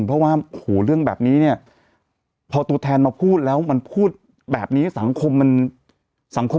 เพราะว่าโอ้โหเรื่องแบบนี้เนี่ยพอตัวแทนมาพูดแล้วมันพูดแบบนี้สังคมมันสังคม